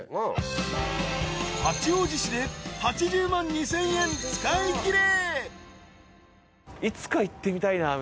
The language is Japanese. ［八王子市で８０万２，０００円使いきれ］